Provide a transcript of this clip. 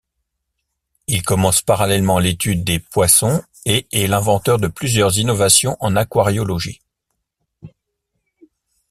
Il commence parallèlement l’étude des poissons et est l’inventeur de plusieurs innovations en aquariologie.